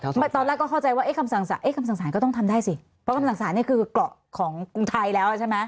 ตอนแรกเขาเข้าใจว่าความสั่งสารก็ต้องทำได้สิเพราะความสั่งสารนี่คือกล่องของกรุงไทยแล้วใช่ไหม